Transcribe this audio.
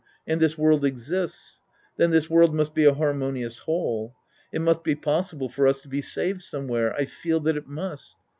And this world exists. Then, this world must be a harmoni ous whole. It must be possible for us to be saved somewhere. _ I feel that it must.